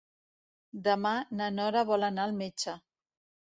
Demà na Nora vol anar al metge.